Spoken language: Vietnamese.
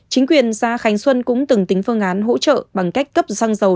chính quyền xã khánh xuân cũng từng tính phương án hỗ trợ bằng cách cấp xăng dầu